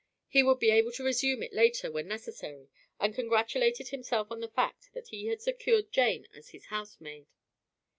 He would be able to resume it later when necessary, and congratulated himself on the fact that he had secured Jane as his housemaid.